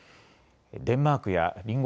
デンマークや隣国